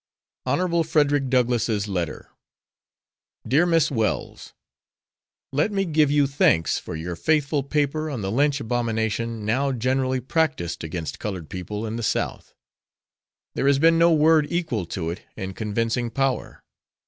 HON. FRED. DOUGLASS'S LETTER Dear Miss Wells: Let me give you thanks for your faithful paper on the lynch abomination now generally practiced against colored people in the South. There has been no word equal to it in convincing power.